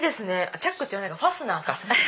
チャックって言わないかファスナーか。